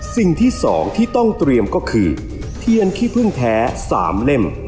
สิ่งที่๒ที่ต้องเตรียมก็คือเทียนขี้พึ่งแท้๓เล่ม